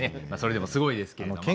それでもすごいですけれども。